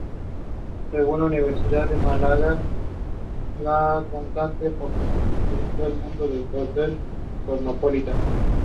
It organizes seminars on land reforms in Bangladesh.